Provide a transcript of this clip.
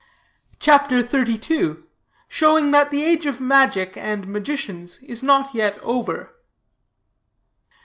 CHAPTER XXXII. SHOWING THAT THE AGE OF MAGIC AND MAGICIANS IS NOT YET OVER.